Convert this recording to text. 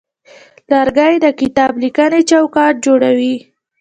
لرګی د کتابلیکنې چوکاټ جوړوي.